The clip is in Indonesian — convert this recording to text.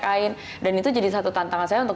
kain dan itu jadi satu tantangan saya untuk